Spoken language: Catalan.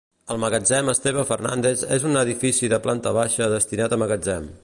El Magatzem Esteve Fernández és un edifici de planta baixa destinat a magatzem.